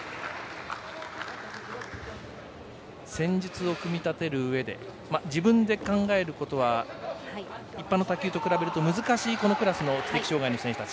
戦術を組み立てるうえで自分で考えることは一般の卓球と比べると難しい選手たち。